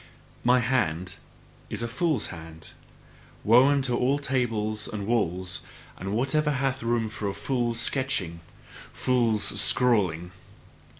My hand is a fool's hand: woe unto all tables and walls, and whatever hath room for fool's sketching, fool's scrawling!